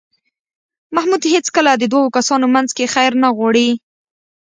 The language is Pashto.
محمود هېڅکله د دو کسانو منځ کې خیر نه غواړي.